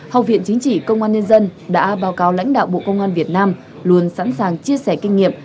học viện chính trị công an nhân dân đã báo cáo lãnh đạo bộ công an việt nam luôn sẵn sàng chia sẻ kinh nghiệm